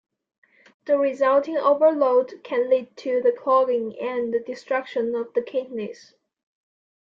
The resulting overload can lead to the clogging and the destruction of the kidneys.